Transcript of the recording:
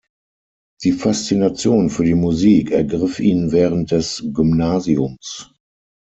Die Faszination für die Musik ergriff ihn während des Gymnasiums.